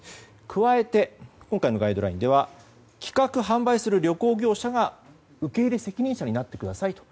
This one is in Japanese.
加えて、今回のガイドラインでは企画・販売する旅行会社が受け入れ責任者になってくださいと。